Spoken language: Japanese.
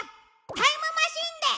タイムマシンで！